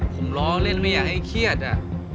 ผมร้องเล่นไม่อยากให้เกียจอ่ะ